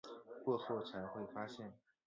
过后才会发现